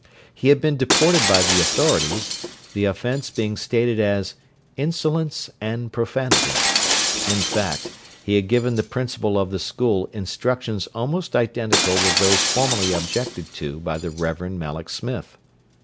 He had been deported by the authorities, the offense being stated as "insolence and profanity"; in fact, he had given the principal of the school instructions almost identical with those formerly objected to by the Reverend Malloch Smith.